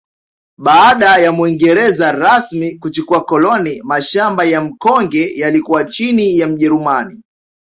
Baada ya Muingereza rasmi kuchukua koloni mashamba ya Mkonge yaliyokuwa chini ya mjerumani